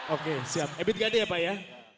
oke siap ebit ganti ya pak ya